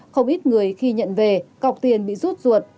không ít người khi nhận về cọc tiền bị rút ruột